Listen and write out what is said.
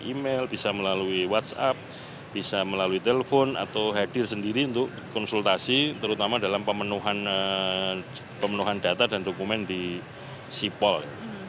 email bisa melalui whatsapp bisa melalui telepon atau hadir sendiri untuk konsultasi terutama dalam pemenuhan data dan dokumen di sipol